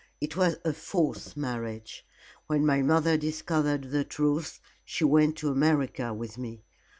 It was a false marriage. When my mother discovered the truth, she went to America with me.